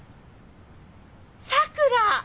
さくら！